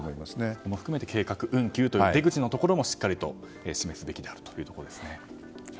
それも含めて計画運休の出口のところもしっかりと示すべきであるというところですね。